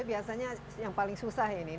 biasanya yang paling susah ini